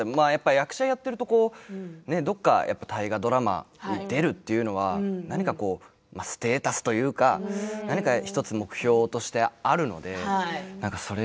役者をやっていると、どこか大河ドラマに出るというのは何かステータスというか何か１つの目標としてあるのでそれに出させていただく。